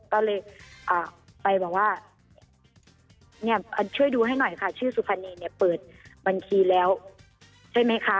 ก็เลยไปบอกว่าเนี่ยช่วยดูให้หน่อยค่ะชื่อสุพรรณีเนี่ยเปิดบัญชีแล้วใช่ไหมคะ